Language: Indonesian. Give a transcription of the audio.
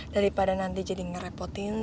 daripada nanti jadi ngerepotin